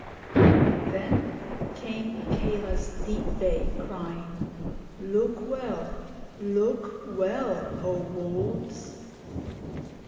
And then came Akela's deep bay, crying: Look well look well, O Wolves!'